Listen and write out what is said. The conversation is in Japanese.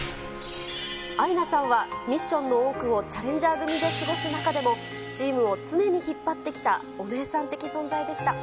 アイナさんはミッションの多くをチャレンジャー組で過ごす中でも、チームを常に引っ張ってきたお姉さん的存在でした。